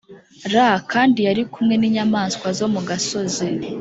L kandi yari kumwe n inyamaswa zo mu gasozi